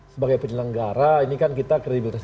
sebagai penyelenggara ini kan kita kredibilitas